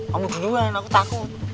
kamu duluan aku takut